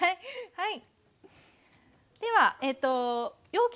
はい。